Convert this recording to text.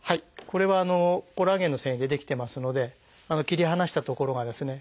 これはコラーゲンの線維で出来てますので切り離した所がですね